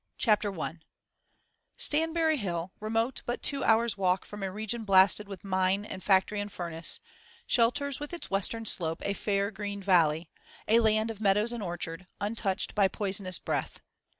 ] CHAPTER I Stanbury Hill, remote but two hours' walk from a region blasted with mine and factory and furnace, shelters with its western slope a fair green valley, a land of meadows and orchard, untouched by poisonous breath.